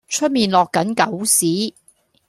出面落緊狗屎